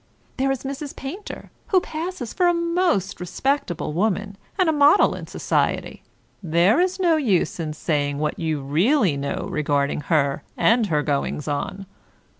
There is Mrs. Painter, who passes for a most respectable woman, and a model in society. There is no use in saying what you really know regarding her and her goings on.